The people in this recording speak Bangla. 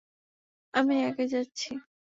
আমি একাই যাচ্ছি।